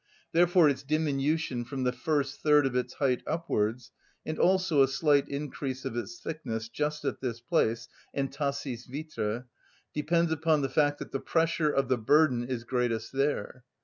Therefore its diminution from the first third of its height upwards, and also a slight increase of its thickness just at this place (entasis vitr.), depends upon the fact that the pressure of the burden is greatest there.